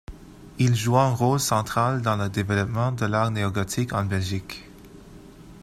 Il joua un rôle central dans le développement de l’art néo-gothique en Belgique.